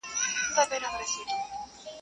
کرنه د انسان اولني کار دی.